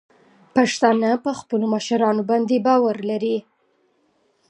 پښتانه په خپلو مشرانو باندې باور لري.